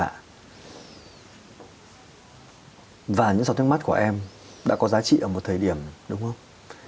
và những giọt nước mắt của em đã có giá trị ở một thời điểm đúng không